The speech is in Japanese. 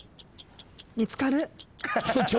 ・見つかる。